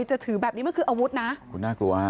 จะถือแบบนี้มันคืออาวุธนะคุณน่ากลัวฮะ